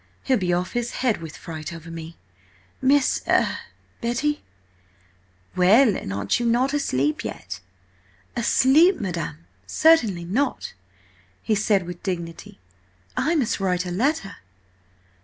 He'll be off his head with fright over me. Miss–er–Betty?" "Well, and are you not asleep yet?" "Asleep, Madam? Certainly not!" he said with dignity. "I must write a letter."